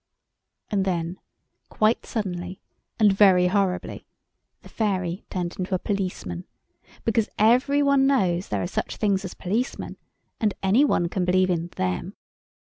And then, quite suddenly and very horribly the fairy turned into a policeman—because every one knows there are such things as policemen, and any one can believe in them.